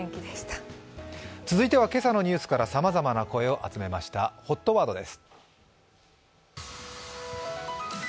続いては今朝のニュースからさまざまな声を集めましたＨＯＴワードです。